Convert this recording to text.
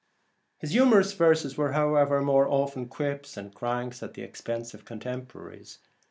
His humorous rhymes were, however, more often quips and cranks at the expense of his contemporaries.